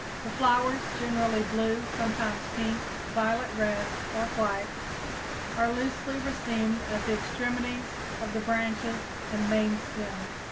The flowers, generally blue, sometimes pink, violet red, or white, are loosely racemed at the extremities of the branches and main stems.